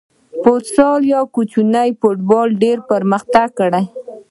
فوسال یا کوچنی فوټبال ډېر پرمختګ کړی.